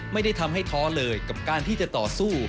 ไม่ได้ทำให้ท้อเลยกับการที่จะต่อสู้